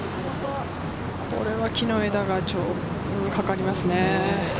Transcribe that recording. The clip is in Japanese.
これは木の枝がちょうどかかりますね。